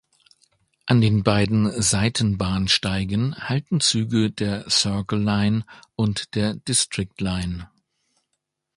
An den beiden Seitenbahnsteigen halten Züge der Circle Line und der District Line.